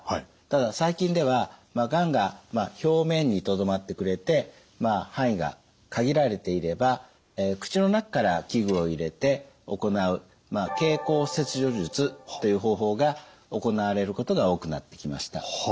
ただ最近ではがんが表面にとどまってくれて範囲が限られていれば口の中から器具を入れて行う経口切除術という方法が行われることが多くなってきました。